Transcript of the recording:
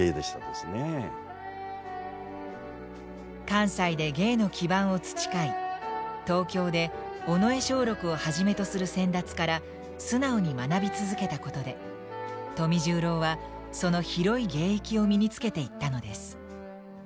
関西で芸の基盤を培い東京で尾上松緑をはじめとする先達から素直に学び続けたことで富十郎はその広い芸域を身につけていったのです。